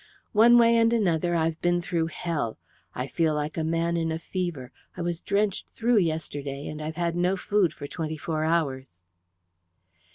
One way and another I have been through hell. I feel like a man in a fever. I was drenched through yesterday, and I've had no food for twenty four hours."